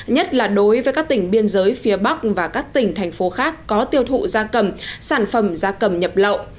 nhất là đối với các tỉnh biên giới phía bắc và các tỉnh thành phố khác có tiêu thụ da cầm sản phẩm da cầm nhập lậu